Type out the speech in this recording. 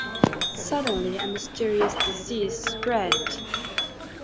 Suddenly, a mysterious disease spread.